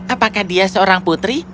apakah dia seorang putri